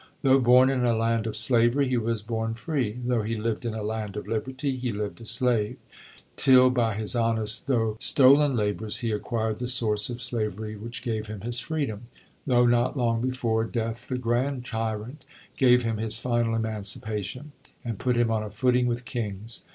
Though born in a land of slavery, He was born free; Though he lived in a land of liberty, He lived a slave; Till by his honest though stolen labors He acquired the source of slavery Which gave him his freedom; Though not long before Death the grand tyrant Gave him his final emancipation, And put him on a footing with kings.